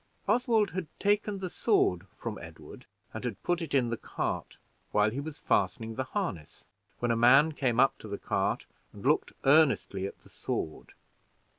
Oswald had taken the sword from Edward, and had put it in the cart while he was fastening the harness, when a man came up to the cart and looked earnestly at the sword.